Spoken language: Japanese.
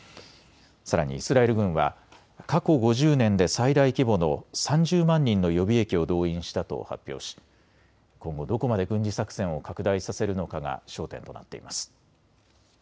さらにイスラエル軍は過去５０年で最大規模の３０万人の予備役を動員したと発表し今後どこまで軍事作戦を拡大させるのかが焦点となっています。